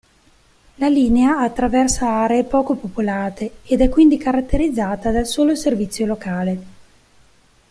La linea attraversa aree poco popolate ed è quindi caratterizzata dal solo servizio locale.